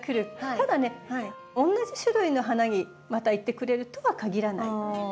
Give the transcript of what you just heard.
ただねおんなじ種類の花にまた行ってくれるとは限らない。